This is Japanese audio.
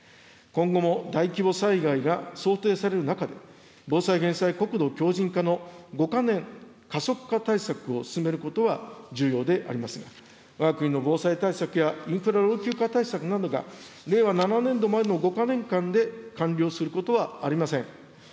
今後も大規模災害が想定される中で、防災・減災、国土強じん化の５か年加速化対策を進めることは重要でありますが、わが国の防災対策や、インフラ老朽化対策などが令和７年度までの５か年間で完了することはありません。